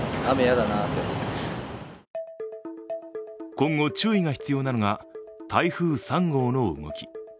今後、注意が必要なのが台風３号の動き。